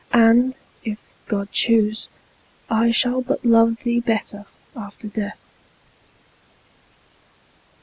and, if God choose, I shall but love thee better after death.